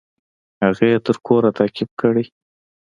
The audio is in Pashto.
هغه يې تر کوره تعقيب کړى.